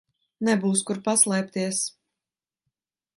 Nebūs kur paslēpties.